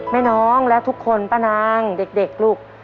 แม่น้องและทุกคนป้านางเด็กลูก